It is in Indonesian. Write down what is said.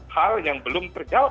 hal yang belum terjawab